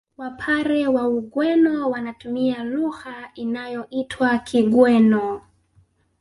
Wapare wa Ugweno wanatumia lugha inayoitwa Kigweno